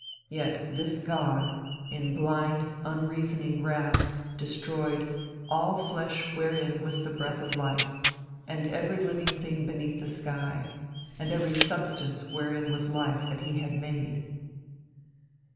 Yet this god, in blind unreasoning wrath destroyed "all flesh wherein was the breath of life, and every living thing beneath the sky, and every substance wherein was life that he had made."